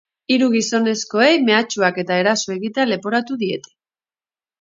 Hiru gizonezkoei mehatxuak eta eraso egitea leporatu diete.